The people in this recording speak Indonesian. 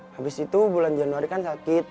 habis itu bulan januari kan sakit